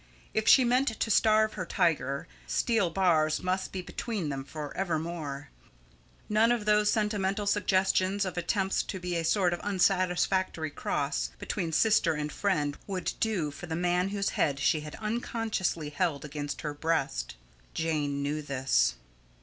If she meant to starve her tiger, steel bars must be between them for evermore. None of those sentimental suggestions of attempts to be a sort of unsatisfactory cross between sister and friend would do for the man whose head she had unconsciously held against her breast. Jane knew this.